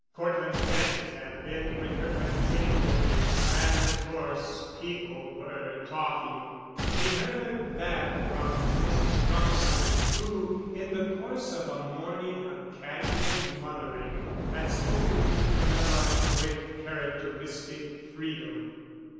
Cortland Bent had been with her continually and of course people were talking. She heard that from Mrs. Rumsen, who, in the course of a morning of casual "mothering," had spoken to Camilla with characteristic freedom.